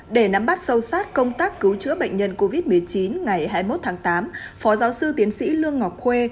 để nắm bắt sâu sát công tác cứu chữa bệnh nhân covid một mươi chín ngày hai mươi một tháng tám phó giáo sư tiến sĩ lương ngọc khuê